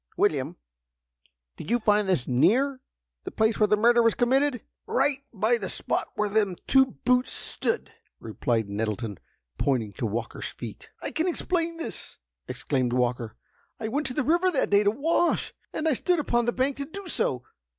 William, did you find this near the place where the murder was committed?" "Right by the spot where them two boots stood!" replied Nettleton, pointing to Walker's feet. "I can explain this," exclaimed Walker. "I went to the river that day to wash, and I stood upon the bank to do so.